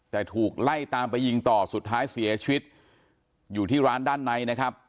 แต่ถูกไล่ตามไปยิงต่อสุดท้ายเสียชีวิตอยู่ที่ร้านด้านในนะครับ